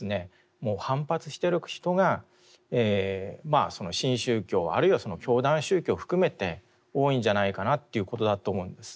もう反発してる人がまあその新宗教あるいは教団宗教を含めて多いんじゃないかなということだと思うんです。